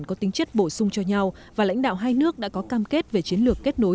có tính chất bổ sung cho nhau và lãnh đạo hai nước đã có cam kết về chiến lược kết nối